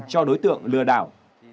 cho đối tượng lừa đảo